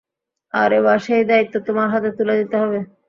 আর এবার সেই দায়িত্ব তোমার হাতে তুলে দিতে হবে।